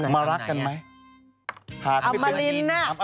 มารักกันไหม